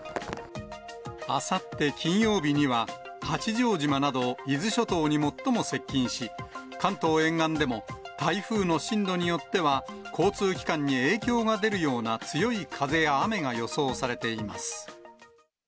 あさって金曜日には、八丈島など伊豆諸島に最も接近し、関東沿岸でも、台風の進路によっては交通機関に影響が出るような強い風や雨が予想されています。